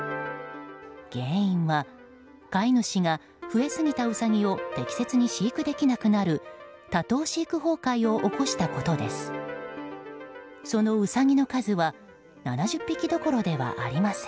原因は飼い主が増えすぎたウサギを適切に飼育できなくなる多頭飼育崩壊を起こしたことです。